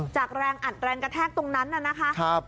จากแรงอัดแรงกระแทกตรงนั้นน่ะนะคะ